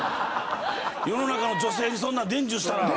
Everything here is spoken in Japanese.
世の中の女性にそんなん伝授したら。